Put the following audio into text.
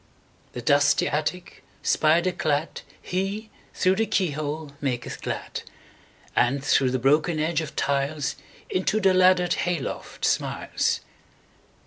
The dusty attic spider cladHe, through the keyhole, maketh glad; And through the broken edge of tiles, Into the laddered hay loft smiles.